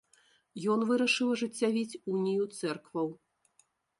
Ён вырашыў ажыццявіць унію цэркваў.